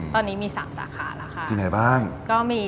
ตอนนี้มี๓สาขาแล้วค่ะ